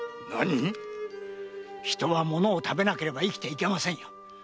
何⁉人はものを食べなければ生きていけませんよ。